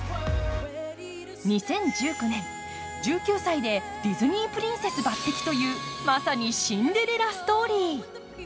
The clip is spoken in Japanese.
２０１９年、１９歳でディズニープリンセス抜てきという、まさにシンデレラストーリー。